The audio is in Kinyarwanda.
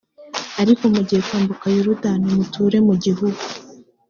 ariko mugiye kwambuka yorudani, muture mu gihugu